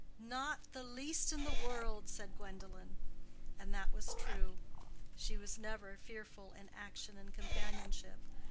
"Not the least in the world," said Gwendolen. And that was true: she was never fearful in action and companionship.